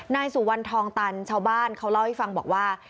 นายสุวรรณทองตันชาวบ้านเขาเล่าให้ฟังบอกว่า